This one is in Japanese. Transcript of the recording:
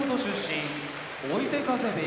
追手風部屋